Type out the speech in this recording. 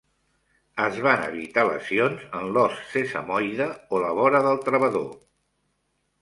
Es van evitar lesions en l'os sesamoide o la vora del travador.